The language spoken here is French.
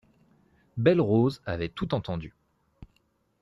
Belle-Rose avait tout entendu.